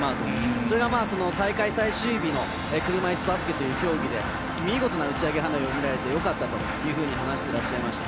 それが、大会最終日の車いすバスケという競技で見事な打ち上げ花火を見られてよかったというふうに話していらっしゃいました。